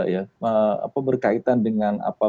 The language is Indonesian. berkaitan dengan apa bagaimana cara kesehatan